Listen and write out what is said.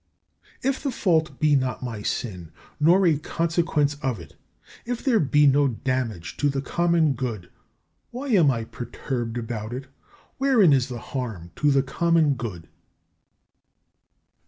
35. If the fault be not my sin, nor a consequence of it, if there be no damage to the common good, why am I perturbed about it? Wherein is the harm to the common good?